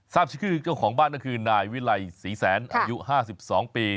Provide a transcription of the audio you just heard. ทราบชีวิตของบ้านนั้นคือนายวิลัยศรีแสนอายุ๕๒ปี